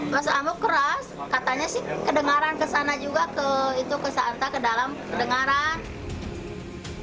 pas amruk keras katanya sih kedengaran kesana juga itu kesanta ke dalam kedengaran